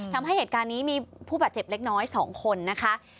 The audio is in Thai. ทำให้เหตุการณ์นี้มีผู้บาดเจ็บเล็กน้อย๒คนนะคะ